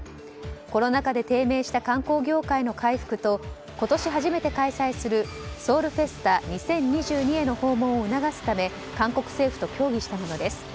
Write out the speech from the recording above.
コロナ禍で低迷した観光業界の回復と今年初めて開催するソウルフェスタ２０２２への訪問を促すため韓国政府と協議したものです。